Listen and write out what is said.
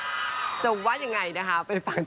อุ้ยใช้เบอร์สร้อย